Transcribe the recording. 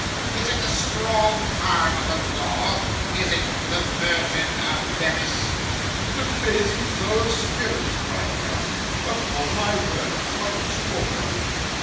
Is it the Strong Arm of the Law? Is it the Virgin of Bevis?' 'What an amazing flow of spirits!' cried Brass. 'Upon my word, it's quite extraordinary!